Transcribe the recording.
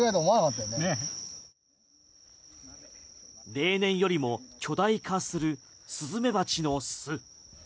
例年よりも巨大化するスズメバチの巣。